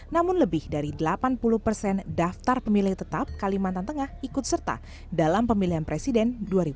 namun lebih dari delapan puluh persen daftar pemilih tetap kalimantan tengah ikut serta dalam pemilihan presiden dua ribu sembilan belas